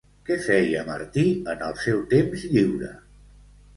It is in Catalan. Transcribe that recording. Què feia Martí en el seu temps lliure?